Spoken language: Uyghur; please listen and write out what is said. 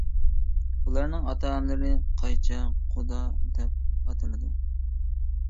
ئۇلارنىڭ ئاتا-ئانىلىرى» قايچا قۇدا «دەپ ئاتىلىدۇ.